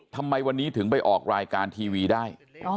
ทำไมวันนี้ถึงไปออกรายการทีวีได้